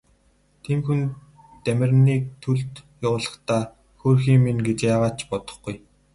Тийм хүн Дамираныг төлд явуулахдаа хөөрхий минь гэж яагаад ч бодохгүй.